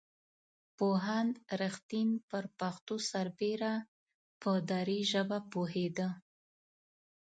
پوهاند رښتین پر پښتو سربېره په دري ژبه پوهېده.